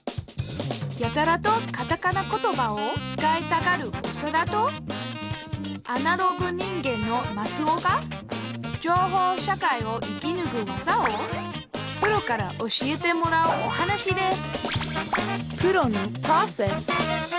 やたらとカタカナ言葉を使いたがるオサダとアナログ人間のマツオが情報社会を生きぬく技をプロから教えてもらうお話です